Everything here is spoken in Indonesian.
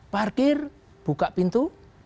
parkir buka pintu